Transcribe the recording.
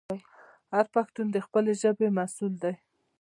هر پښتون د خپلې ژبې مسوول دی.